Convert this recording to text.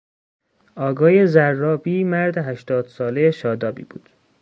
آقای ضرابی مرد هشتاد سالهی شادابی بود.